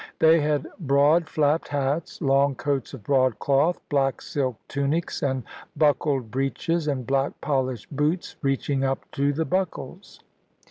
They had broad flapped hats, long coats of broadcloth, black silk tunics, and buckled breeches, and black polished boots reaching up to the buckles.